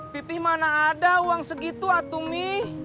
pipi mana ada uang segitu atuh mi